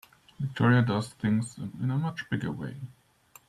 Victoria does things in a much bigger way.